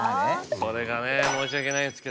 それがね申し訳ないんですけど。